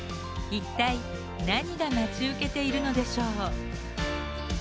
一体何が待ち受けているのでしょう？